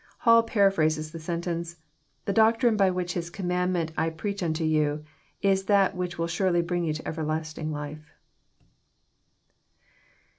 Hall paraphrases the sentence, " The doctrine which by His commandment I preach unto yon, is that which will sarely bring . yon to everlasting life.